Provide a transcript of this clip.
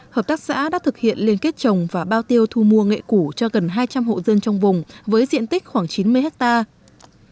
hợp tác xã đã thực hiện liên kết trồng và bao tiêu thu mua nghệ củ cho gần hai trăm linh hộ dân trong vùng với diện tích khoảng chín mươi hectare